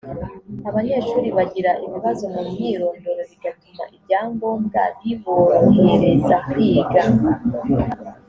abanyeshuri bagira ibibazo mu myirondoro bigatuma ibyangombwa biborohereza kwiga